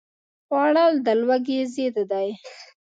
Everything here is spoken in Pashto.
خوړل د لوږې ضد دی